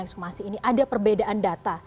ekshumasi ini ada perbedaan data